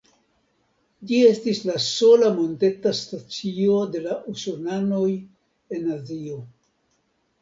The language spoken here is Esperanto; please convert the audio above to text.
Ĝi estis la sola monteta stacio de la Usonanoj en Azio.